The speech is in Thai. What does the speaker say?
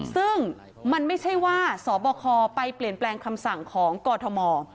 ซึ่งมันไม่ใช่ว่าสบคไปเปลี่ยนแปลงคำสั่งของกอทม